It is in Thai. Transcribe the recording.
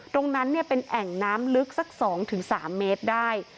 ตรงนั้นเป็นแอ่งน้ำลึกสัก๒๓เมตรได้